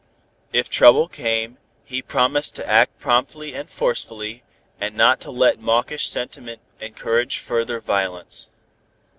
If trouble came, he promised to act promptly and forcefully, and not to let mawkish sentiment encourage further violence.